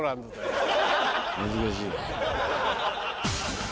難しいね。